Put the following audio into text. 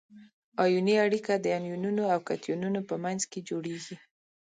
ایوني اړیکه د انیونونو او کتیونونو په منځ کې جوړیږي.